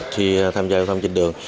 khi tham gia vô thông trên đường